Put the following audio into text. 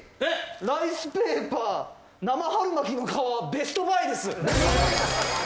ライスペーパー生春巻きの皮ベストバイです！